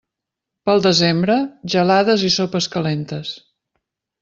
Pel desembre, gelades i sopes calentes.